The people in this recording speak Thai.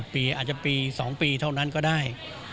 ปีอาจจะปี๒ปีเท่านั้นก็ได้